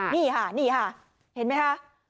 นี่ค่ะนี่ค่ะเห็นไหมคะ